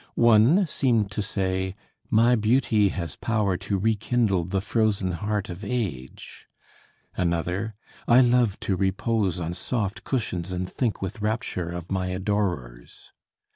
One seemed to say: "My beauty has power to rekindle the frozen heart of age." Another: "I love to repose on soft cushions and think with rapture of my adorers."